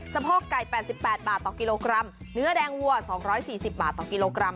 โพกไก่๘๘บาทต่อกิโลกรัมเนื้อแดงวัว๒๔๐บาทต่อกิโลกรัม